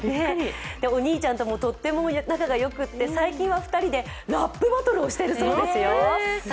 お兄ちゃんともとっても仲が良くて、最近は２人がラップバトルをしているそうですよ。